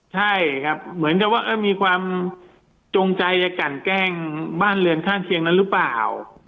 ใช่ครับเหมือนกับว่ามีความจงใจจะกันแกล้งบ้านเรือนข้างเคียงนั้นหรือเปล่า